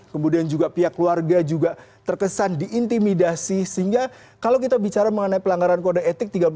kemudian juga pihak keluarga juga terkesan diintimidasi sehingga kalau kita bicara mengenai pelanggaran kode etik